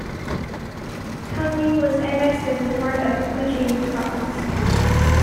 Tungning was annexed as part of Fujian province.